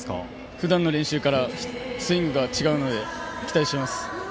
ふだんの練習からスイングが違うので期待しています。